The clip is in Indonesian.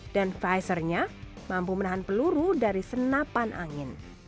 dan visornya mampu menahan peluru dari senapan angin